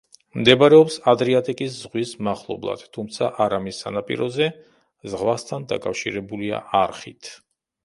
მდებარეობს ადრიატიკის ზღვის მახლობლად, თუმცა არა მის სანაპიროზე, ზღვასთან დაკავშირებულია არხით.